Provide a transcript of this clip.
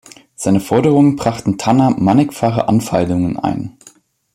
Seine Forderungen brachten Tanner mannigfache Anfeindungen ein.